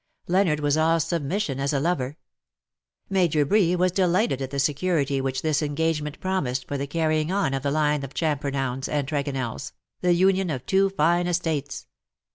Leonard was all submission as a lover. Major Bree was delighted at the security which this engagement promised for the carrying on of the line of Champer nownes and Tregonells — the union of two fine estates.